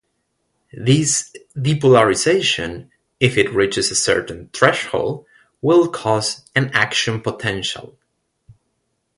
This depolarization, if it reaches a certain threshold, will cause an action potential.